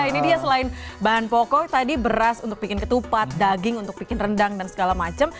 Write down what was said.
ini dia selain bahan pokok tadi beras untuk bikin ketupat daging untuk bikin rendang dan segala macam